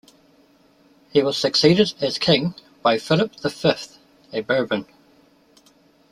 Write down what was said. He was succeeded as king by Philip the Fifth, a Bourbon.